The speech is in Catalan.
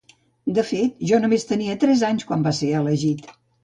De fet, jo només tenia tres anys quan va ser elegit.